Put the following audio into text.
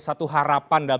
satu harapan dan